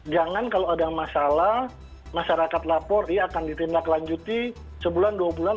jangan kalau ada masalah masyarakat lapor ya akan ditindaklanjuti sebulan dua bulan